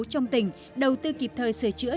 trong tỉnh đầu tư kịp thời sửa